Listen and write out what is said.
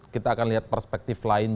kita akan lihat perspektif lain